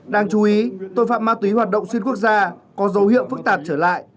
đáng chú ý tội phạm ma túy hoạt động xuyên quốc gia có dấu hiệu phức tạp trở lại